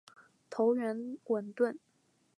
头圆吻钝。